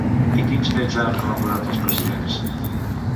I quins fets han rememorat els presidents?